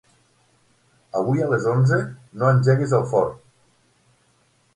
Avui a les onze no engeguis el forn.